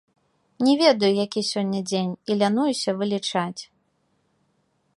Не ведаю, які сёння дзень, і лянуюся вылічаць.